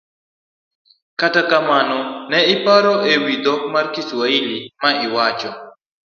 Kata kamano ka iparo e wi dhok mar Kiswahili ma iwacho,